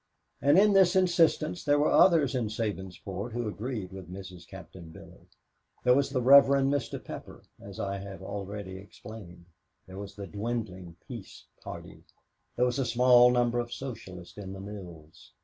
And in this insistence there were others in Sabinsport who agreed with Mrs. Captain Billy. There was the Rev. Mr. Pepper, as I have already explained. There was the dwindling Peace Party. There was a small number of Socialists in the mills.